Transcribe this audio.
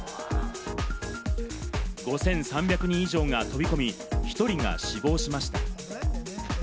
５３００人以上が飛び込み、１人が死亡しました。